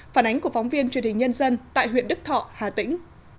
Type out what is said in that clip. phản ánh của phóng viên truyền hình nhân dân tại huyện đức thọ hà tĩnh